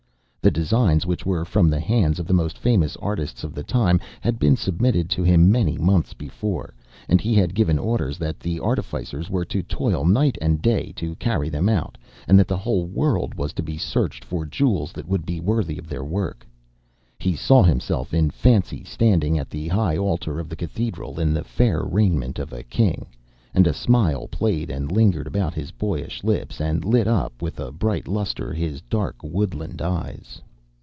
The designs, which were from the hands of the most famous artists of the time, had been submitted to him many months before, and he had given orders that the artificers were to toil night and day to carry them out, and that the whole world was to be searched for jewels that would be worthy of their work. He saw himself in fancy standing at the high altar of the cathedral in the fair raiment of a King, and a smile played and lingered about his boyish lips, and lit up with a bright lustre his dark woodland eyes.